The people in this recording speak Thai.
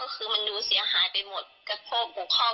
็คือดูเสียหายไปหมดกระโภปคบกัน